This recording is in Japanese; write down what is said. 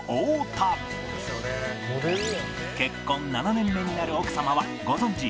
結婚７年目になる奥様はご存じ